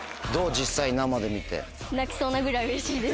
実際生で見て。